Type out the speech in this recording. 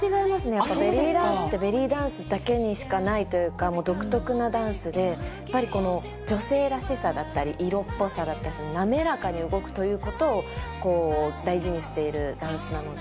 やっぱりベリーダンスってベリーダンスだけにしかないというか、もう独特なダンスで、やっぱり女性らしさだったり、色っぽさだったり、滑らかに動くということを大事にしているダンスなので。